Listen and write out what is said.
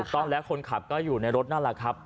ต้องแล้วคนขับก็อยู่ในรถนั่นแหละครับ